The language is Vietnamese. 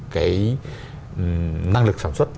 cái năng lực sản xuất